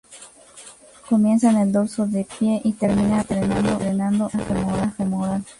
Comienza en el dorso del pie y termina drenando en la vena femoral.